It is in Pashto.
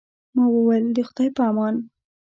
ما وویل، د خدای په امان.